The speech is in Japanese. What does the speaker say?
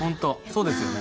そうですね。